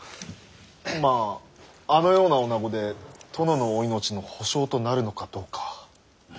まああのようなおなごで殿のお命の保証となるのかどうか。